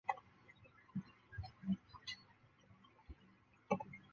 这种搜索算法每一次比较都使搜索范围缩小一半。